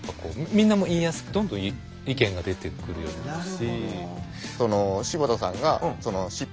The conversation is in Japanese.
みんなも言いやすくどんどん意見が出てくるようになるし。